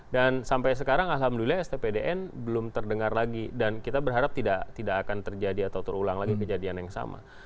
dan sampai sekarang alhamdulillah stpdn belum terdengar lagi dan kita berharap tidak akan terjadi atau terulang lagi kejadian yang sama